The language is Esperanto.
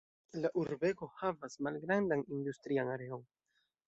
La urbego havas malgrandan industrian areon.